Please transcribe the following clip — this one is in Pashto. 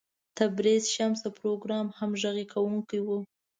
تبریز شمس د پروګرام همغږی کوونکی و.